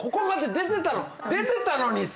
出てたのにさ。